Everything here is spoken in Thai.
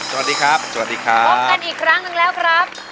พบกันอีกครั้งนึงแล้วครับ